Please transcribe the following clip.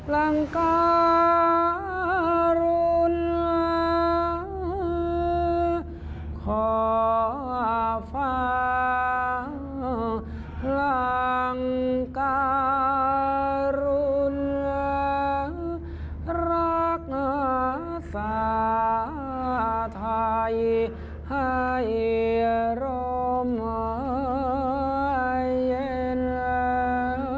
รักษ์วัฒนธรรมและโบราณราชประเพณีของชาติไทยสืบไป